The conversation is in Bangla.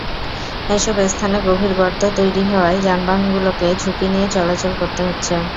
এসব স্থানে গভীর গর্ত তৈরি হওয়ায় যানবাহনগুলোকে ঝুঁকি নিয়ে চলাচল করতে হচ্ছে।